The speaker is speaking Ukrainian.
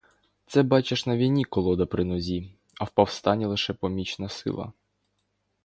Це бачиш на війні колода при нозі, а в повстанні лише помічна сила.